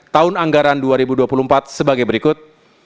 tahun anggaran dua ribu dua puluh empat sebagai berikut